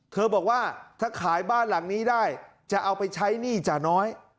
บอกว่าถ้าขายบ้านหลังนี้ได้จะเอาไปใช้หนี้จ่าน้อย